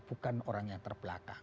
bukan orang yang terbelakang